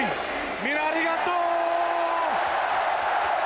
みんな、ありがとう！